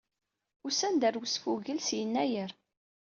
Usan-d ar wesfugel s yennayer.